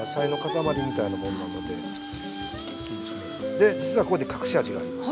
で実はここで隠し味があります。